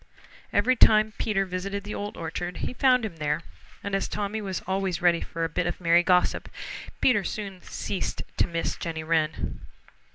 Every time Peter visited the Old Orchard he found him there, and as Tommy was always ready for a bit of merry gossip, Peter soon ceased to miss Jenny Wren.